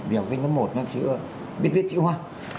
vì học sinh lớp một nó chỉ biết viết chữ hoa